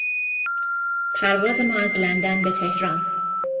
پرواز ما از لندن به تهران